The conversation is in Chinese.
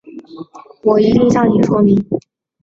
我一定向你说明